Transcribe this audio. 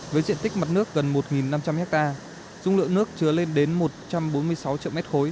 với diện tích mặt nước gần một năm trăm linh ha dung lượng nước chứa lên đến một trăm bốn mươi sáu triệu m ba